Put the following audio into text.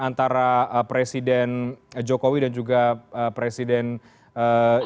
antara presiden jokowi dan juga presiden jokowi